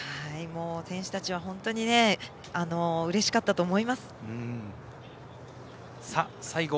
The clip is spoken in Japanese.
選手たちは本当にうれしかったと思います。